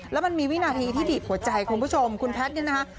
แล้วมันมีวินาทีที่บีบหัวใจคุณผู้ชมคุณแพทย์เนี่ยนะคะ